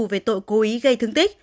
về tội cố ý gây thương tích